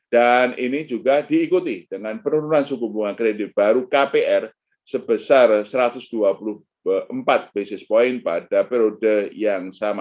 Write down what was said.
dan ini juga diikuti dengan penurunan suku bunga kredit baru kpr sebesar satu ratus dua puluh empat basis point pada periode yang sama